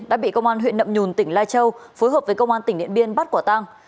đã bị công an huyện nậm nhùn tỉnh lai châu phối hợp với công an tỉnh điện biên bắt quả tang